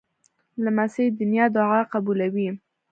لمسی د نیا دعا قبلوي.